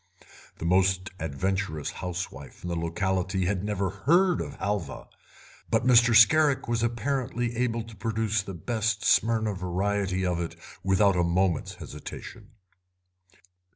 The most adventurous housewife in the locality had never heard of halva, but Mr. Scarrick was apparently able to produce the best Smyrna variety of it without a moment's hesitation.